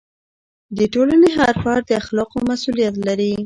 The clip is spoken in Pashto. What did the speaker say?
د ټولنې هر فرد د اخلاقو مسؤلیت لري.